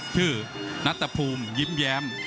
ชื่อนัตภูมิยิ้มแยม